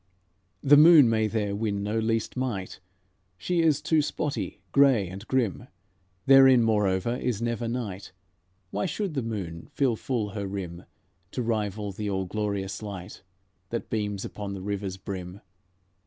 The moon may there win no least might, She is too spotty, grey and grim; Therein, moreover, is never night, Why should the moon fill full her rim To rival the all glorious light That beams upon the river's brim?